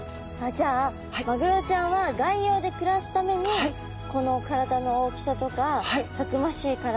じゃあマグロちゃんは外洋で暮らすためにこの体の大きさとかたくましい体になったんですね。